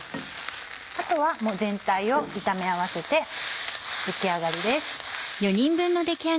あとはもう全体を炒め合わせて出来上がりです。